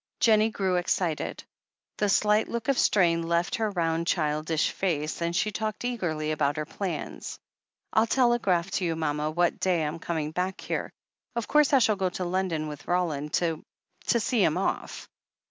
Jennie grew excited; the slight look of strain left her round, childish face, and she talked eagerly about her plans. "I'll telegraph to you, mama, what day I'm coming back here. Of course, I shall go to London with Roland to— to see him off."